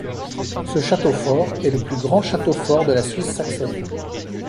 Ce château fort est le plus grand château fort de la Suisse saxonne.